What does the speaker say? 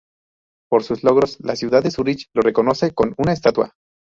Por sus logros, la ciudad de Zürich lo reconoce con una estatua.